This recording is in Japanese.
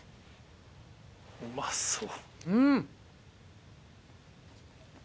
うまそう。